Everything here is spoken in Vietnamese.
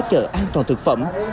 chợ an toàn thực phẩm